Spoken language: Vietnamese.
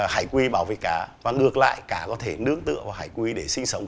hải quỷ bảo vệ cá và ngược lại cá có thể nướng tựa vào hải quỷ để sinh sống